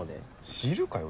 知るかよ！